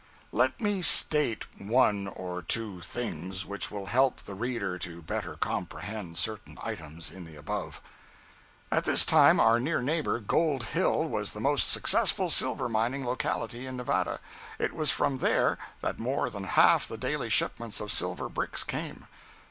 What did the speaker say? Let me state one or two things which will help the reader to better comprehend certain items in the above. At this time, our near neighbor, Gold Hill, was the most successful silver mining locality in Nevada. It was from there that more than half the daily shipments of silver bricks came.